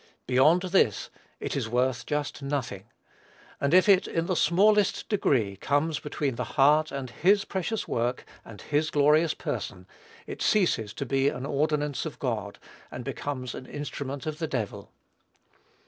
Beyond this, it is worth just nothing; and if it in the smallest degree comes between the heart and his precious work and his glorious person, it ceases to be an ordinance of God, and becomes an instrument of the devil.